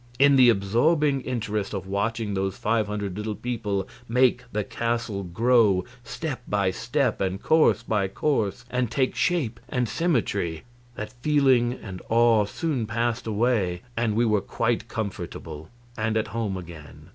In the absorbing interest of watching those five hundred little people make the castle grow step by step and course by course, and take shape and symmetry, that feeling and awe soon passed away and we were quite comfortable and at home again.